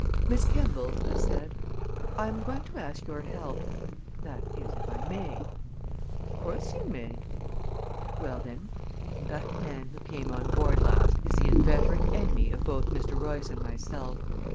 "Miss Kemball," I said, "I'm going to ask your help that is, if I may." "Of course you may." "Well, then, that man who came on board last is the inveterate enemy of both Mr. Royce and myself.